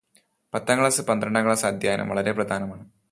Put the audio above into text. പത്താം ക്ലാസ്, പന്ത്രണ്ടാം ക്ലാസ് അധ്യയനം വളരെ പ്രധാനമാണ്.